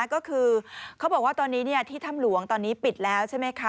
ก็คือเขาบอกว่าตอนนี้ที่ถ้ำหลวงตอนนี้ปิดแล้วใช่ไหมคะ